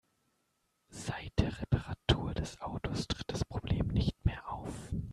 Seit der Reparatur des Autos tritt das Problem nicht mehr auf.